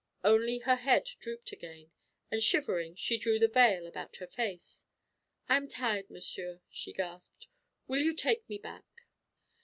Only her head drooped again, and shivering she drew the veil about her face. "I am tired, monsieur," she gasped. "Will you take me back?"